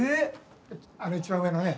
あの一番上のね。